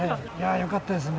よかったですね。